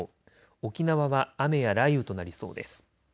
沖縄は雨や雷雨となりそうです。